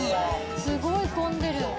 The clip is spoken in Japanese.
すごい混んでる。